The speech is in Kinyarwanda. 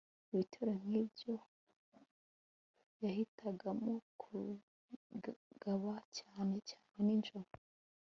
ibitero nk'ibyo yahitagamo kubigaba cyane cyane nijoro